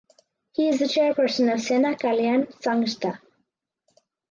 He is the chairperson of Sena Kalyan Sangstha.